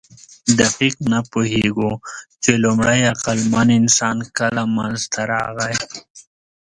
دقیق نه پوهېږو، چې لومړی عقلمن انسان کله منځ ته راغی.